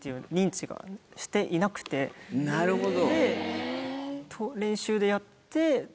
なるほど。